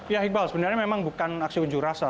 ya iqbal sebenarnya memang bukan aksi unjuk rasa